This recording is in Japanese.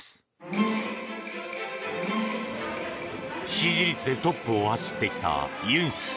支持率でトップを走ってきたユン氏。